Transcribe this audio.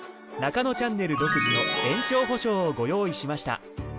『ナカノチャンネル』独自の延長保証をご用意しました。